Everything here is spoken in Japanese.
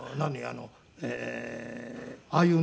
あのああいうね